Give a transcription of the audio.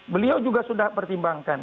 beliau juga sudah pertimbangkan